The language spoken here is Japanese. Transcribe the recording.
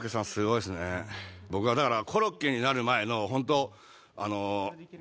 僕はだから。